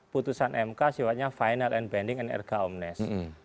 putusan mk sifatnya final and binding and erga omnes